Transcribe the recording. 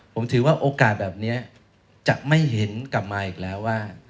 ผมถือว่าโอกาสแบบนี้จะไม่เห็นกลับมาอีกแล้วว่า